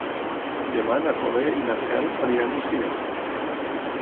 Demà na Cloè i na Cel aniran al cinema.